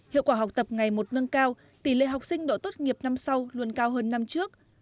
hiệu quả học tập ngày một nâng cao tỷ lệ học sinh độ tốt nghiệp năm sau luôn cao hơn năm trước